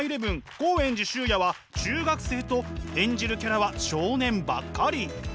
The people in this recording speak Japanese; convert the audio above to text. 豪炎寺修也は中学生と演じるキャラは少年ばっかり。